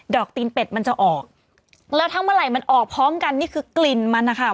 อกตีนเป็ดมันจะออกแล้วถ้าเมื่อไหร่มันออกพร้อมกันนี่คือกลิ่นมันนะคะ